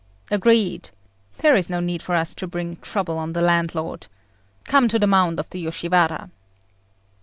"Agreed! There is no need for us to bring trouble on the landlord. Come to the Mound of the Yoshiwara."